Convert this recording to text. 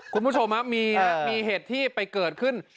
คุณผู้ชมครับมีเหตุที่ไปเกิดขึ้น